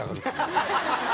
ハハハハ！